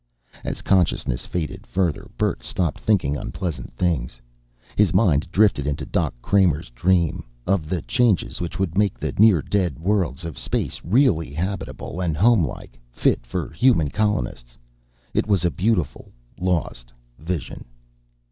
As consciousness faded further, Bert stopped thinking unpleasant things. His mind drifted into Doc Kramer's dream of the changes which would make the near dead worlds of space really habitable and homelike, fit for human colonists. It was a beautiful, lost vision.